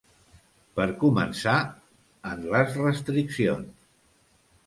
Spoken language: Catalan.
Per començar, en les restriccions.